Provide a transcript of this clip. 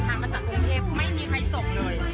เพราะฉะนั้นพูดเขามานั่งฟังหมูนเลย